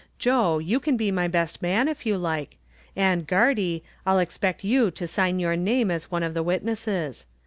Joe, you can be my best man if you like, and, Gardie, I'll expect you to sign your name as one of the witnesses.